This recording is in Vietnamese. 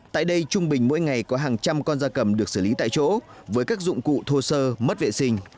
tại đây trung bình mỗi ngày có hàng trăm con da cầm được xử lý tại chỗ với các dụng cụ thô sơ mất vệ sinh